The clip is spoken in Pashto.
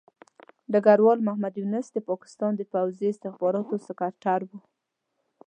ډګروال محمد یونس د پاکستان د پوځي استخباراتو سکرتر وو.